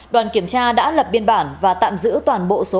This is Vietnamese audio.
đoàn kiểm tra đã lập biên bản và tạm giữ toàn bộ số